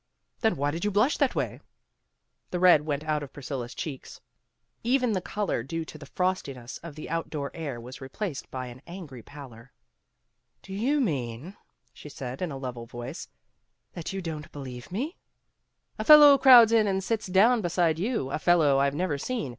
"Then why did you blush that way?" The red went out of Priscilla 's cheeks. Even the color due to the frostiness of the out door air was replaced by an angry pallor. "Do you mean," she said in a level voice, "that you don't believe me?" 206 PEGGY RAYMOND'S WAY "A fellow crowds in and sits down beside you, a fellow I've never seen.